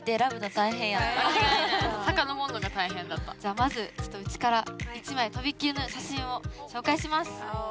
じゃあまずうちから一枚飛びっ切りの写真を紹介します。